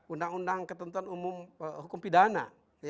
undang undang ketentuan umum hukum pidana